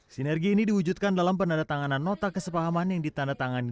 sinergi ini diwujudkan dalam penandatanganan nota kesepahaman yang ditandatangani